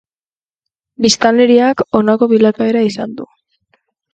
Biztanleriak honako bilakaera izan du.